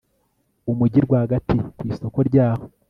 umujyi rwagati ku isoko ryaho